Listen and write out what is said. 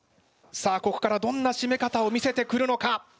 さあここからどんな閉め方を見せてくるのか？